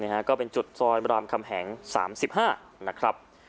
นี่ครับอย่างเป็นจุดจริงรามคำแหง๓๕นะครับ